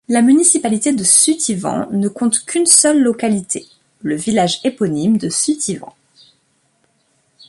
La municipalité de Sutivan ne compte qu'une seule localité, le village éponyme de Sutivan.